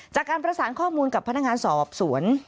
จากการประสานข้อมูลกับพนักงานสอบสวน